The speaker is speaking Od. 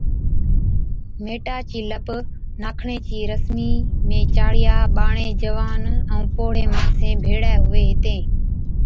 ميٽا چِي لپ ناکڻ، جي رسمي ۾ چاڙِيا، ٻاڙين، جوان ائُون پوڙھي ماڻيسن ڀيڙين ھُوَين ھِتين